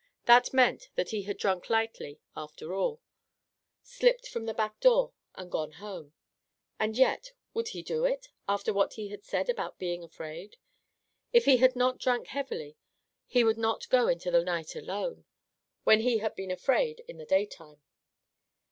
That meant that he had drank lightly after all, slipped from the back door, and gone home. And yet, would he do it, after what he had said about being afraid? If he had not drank heavily, he would not go into the night alone, when he had been afraid in the daytime.